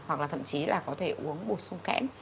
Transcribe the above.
hoặc là thậm chí là có thể uống bổ sung kẽm